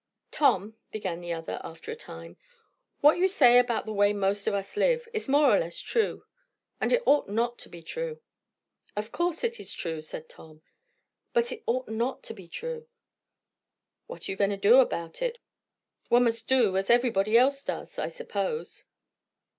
"Tom," began the other after a time, "what you say about the way most of us live, is more or less true; and it ought not to be true." "Of course it is true!" said Tom. "But it ought not to be true." "What are you going to do about it? One must do as everybody else does; I suppose."